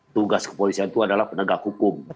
tugas kepolisian itu adalah penegak hukum